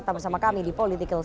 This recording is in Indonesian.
tetap bersama kami di political sho